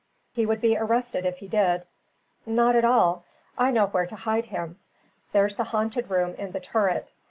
"He would be arrested if he did." "Not at all. I know where to hide him. There's the haunted room in the turret.